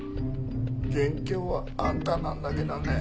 元凶はあんたなんだけどね。